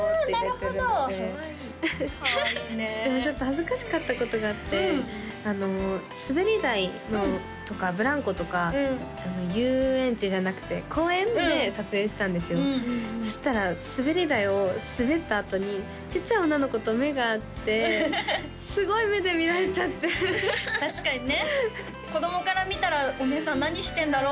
なるほどかわいいねでもちょっと恥ずかしかったことがあって滑り台とかブランコとか遊園地じゃなくて公園で撮影したんですよそしたら滑り台を滑ったあとにちっちゃい女の子と目が合ってすごい目で見られちゃって確かにね子供から見たら「お姉さん何してんだろう？」